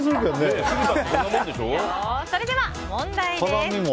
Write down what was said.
それでは問題です。